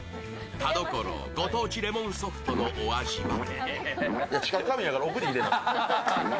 田所、ご当地レモンソフトのお味は？